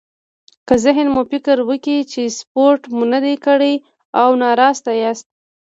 که ذهن مو فکر وکړي چې سپورت مو نه دی کړی او ناراسته ياست.